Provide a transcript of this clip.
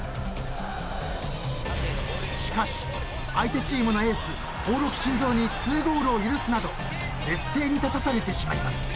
［しかし相手チームのエース興梠慎三に２ゴールを許すなど劣勢に立たされてしまいます］